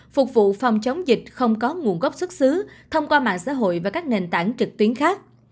phục vụ phòng chống dịch không có nguồn gốc xuất xứ thông qua mạng xã hội và các nền tảng trực tuyến khác